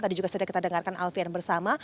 tadi juga sudah kita dengarkan alfian bersama